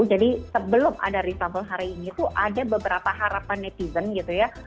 jadi sebelum ada reshuffle hari ini tuh ada beberapa harapan netizen gitu ya